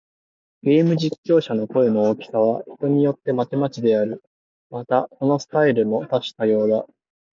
ゲーム実況者の声の大きさは、人によってまちまちである。また、そのスタイルも多種多様だ。